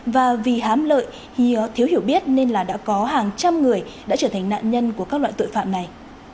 và vì hám lợi hìa thiếu hiểu biết nên là đã có hàng trăm người đã trở thành nạn nhân của các loại tội phạm này